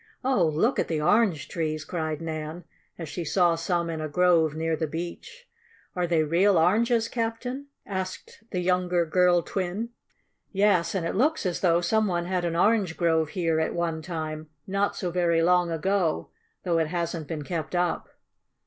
"Oh, look at the orange trees!" cried Nan, as she saw some in a grove near the beach. "Are they real oranges, Captain?" asked the younger girl twin. "Yes. And it looks as though some one had an orange grove here at one time, not so very long ago, though it hasn't been kept up."